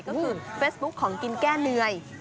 ก็คือเฟซบุ๊คของกินแก้เหนื่อย